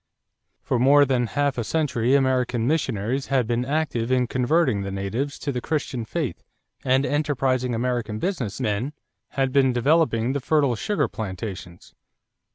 For more than half a century American missionaries had been active in converting the natives to the Christian faith and enterprising American business men had been developing the fertile sugar plantations.